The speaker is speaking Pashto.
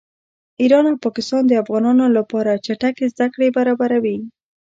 ایران او پاکستان د افغانانو لپاره چټکې زده کړې برابروي